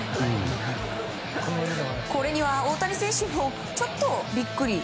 これには大谷選手もちょっとビックリ。